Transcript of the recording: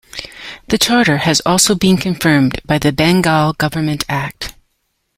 The charter has also been confirmed by the Bengal Govt Act.